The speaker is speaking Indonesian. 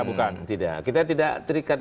bukan tidak kita tidak terikat